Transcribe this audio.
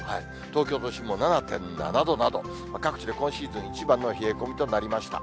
東京都心も７．７度など、各地で今シーズン一番の冷え込みとなりました。